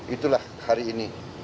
itulah hari ini